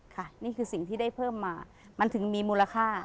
ค่ะนี่คือสิ่งที่ได้เพิ่มมามันถึงมีมูลค่า